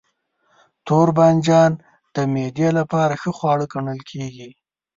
توربانجان د معدې لپاره ښه خواړه ګڼل کېږي.